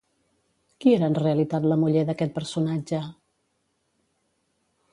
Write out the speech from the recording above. Qui era en realitat la muller d'aquest personatge?